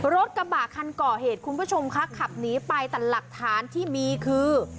รถกระบะคันก่อเหตุคุณผู้ชมคะขับหนีไปแต่หลักฐานที่มีคือ